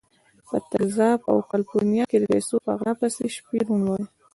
په تګزاس او کالیفورنیا کې د پیسو په غلا پسې شپې روڼولې.